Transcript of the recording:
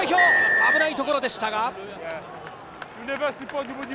危ないところでしたが。